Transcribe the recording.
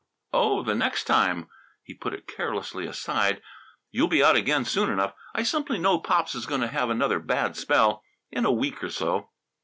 "Oh, the next time!" He put it carelessly aside. "You'll be out again, soon enough. I simply know Pops is going to have another bad spell in a week or so."